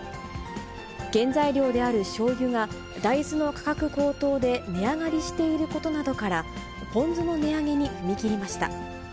原材料であるしょうゆが、大豆の価格高騰で値上がりしていることなどから、ぽん酢の値上げに踏み切りました。